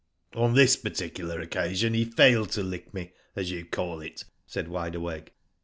'^ On this particular occasion he failed to lick me as you call it," said Wide Awake.